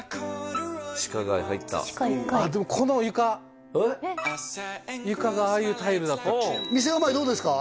地下街入ったああでもこの床床がああいうタイルだった店の前どうですか？